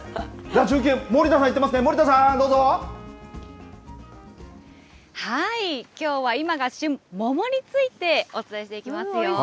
中継、森田さん行ってますね、きょうは今が旬、桃についてお伝えしていきますよ。